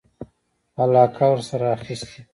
علاقه ورسره اخیسته.